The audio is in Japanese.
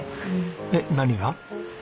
えっ何が？